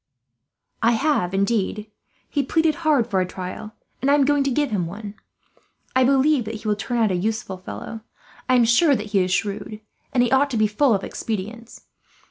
"I have, indeed. He pleaded hard for a trial, and I am going to give him one. I believe that he will turn out a useful fellow. I am sure that he is shrewd, and he ought to be full of expedients.